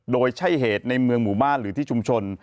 โดยใช่เหตุในเมืองหมู่บ้านหรือที่ชุมชน